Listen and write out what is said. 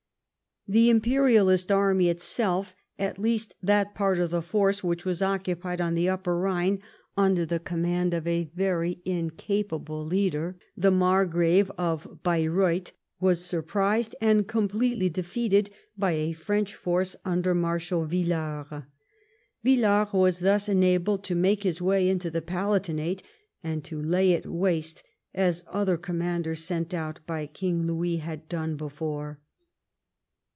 The imperialist army itself — at least that part of the force which was occupied on the Upper Rhine, under the command of a very incapable leader, the Margrave of Baireuth, was surprised and com pletely defeated by a French force under Marshal Villars. Villars was thus enabled to make his way into the Palatinate and to lay it waste, as other com manders sent out by King Louis had done before.